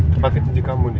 terpaksa kunci kamu nenek